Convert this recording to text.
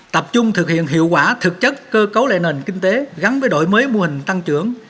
tập trung thực hiện hiệu quả thực chất cơ cấu lệ nền kinh tế gắn với đổi mới mô hình tăng trưởng